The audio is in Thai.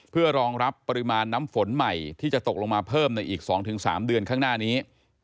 เพื่อรองรับปริมาณน้ำฝนใหม่ที่จะตกลงมาเพิ่มในอีก๒๓เดือนข้างหน้านี้